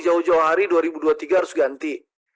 jauh jauh hari dua ribu dua puluh tiga harus ganti